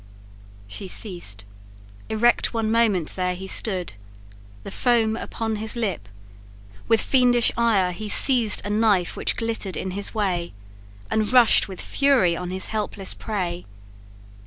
She ceased, erect one moment there he stood, The foam upon his lip; with fiendish ire He seized a knife which glitter'd in his way, And rush'd with fury on his helpless prey.